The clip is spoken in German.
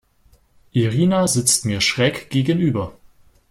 Irina sitzt mir schräg gegenüber.